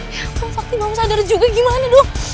ya ampun sakti mau sadar juga gimana dong